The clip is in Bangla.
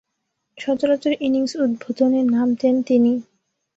সচরাচর ইনিংস উদ্বোধনে নামতেন তিনি।